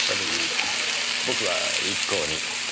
僕は一向に。